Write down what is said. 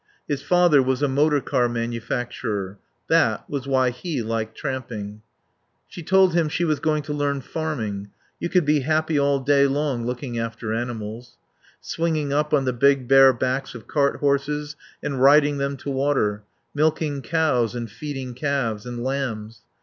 His father was a motor car manufacturer; that was why he liked tramping. She told him she was going to learn farming. You could be happy all day long looking after animals. Swinging up on the big bare backs of cart horses and riding them to water; milking cows and feeding calves. And lambs.